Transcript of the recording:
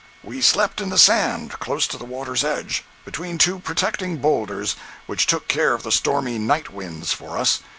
We slept in the sand close to the water's edge, between two protecting boulders, which took care of the stormy night winds for us.